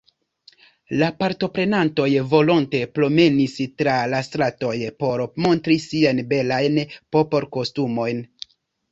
La partoprenantoj volonte promenis tra la stratoj por montri siajn belajn popolkostumojn.